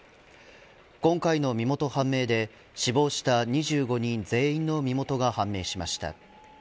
今回の身元判明で死亡した２５人全員の身元が判明しました。